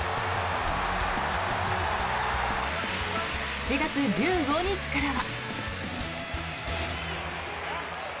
７月１５日からは。